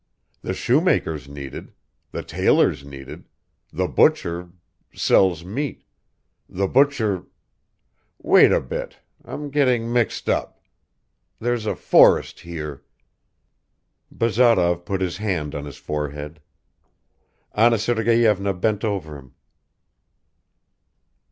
The shoemaker's needed, the tailor's needed, the butcher ... sells meat ... the butcher wait a bit, I'm getting mixed up ... there's a forest here ..." Bazarov put his hand on his forehead. Anna Sergeyevna bent over him.